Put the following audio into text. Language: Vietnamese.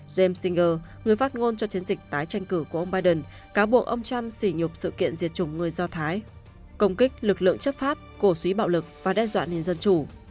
jameser người phát ngôn cho chiến dịch tái tranh cử của ông biden cáo buộc ông trump xỉ nhục sự kiện diệt chủng người do thái công kích lực lượng chấp pháp cổ suý bạo lực và đe dọa nền dân chủ